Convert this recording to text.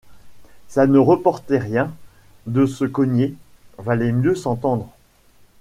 Ça ne rapportait rien, de se cogner: valait mieux s’entendre.